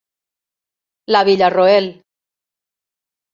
La Villarroel.